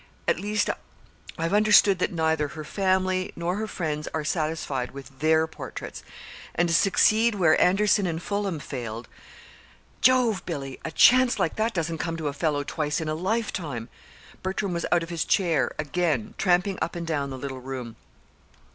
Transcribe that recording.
At least, I've understood that neither her family nor her friends are satisfied with their portraits. And to succeed where Anderson and Fullam failed Jove! Billy, a chance like that doesn't come to a fellow twice in a lifetime!" Bertram was out of his chair, again, tramping up and down the little room.